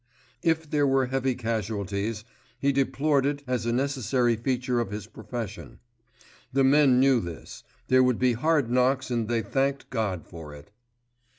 If there were heavy casualties, he deplored it as a necessary feature of his profession. The men knew this—there would be hard knocks and they thanked God for it.